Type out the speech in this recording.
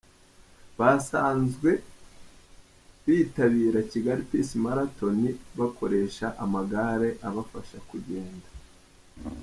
Basanzwe bitabira Kigali Peace Marathon bakoresha amagare abafasha kugenda.